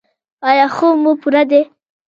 ایا خوب مو پوره دی؟